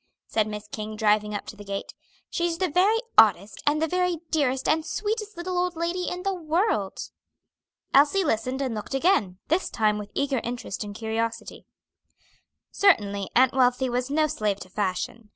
said Miss King, driving up to the gate. "She's the very oddest, and the very dearest and sweetest little old lady in the world." Elsie listened and looked again; this time with eager interest and curiosity. Certainly, Aunt Wealthy was no slave to fashion.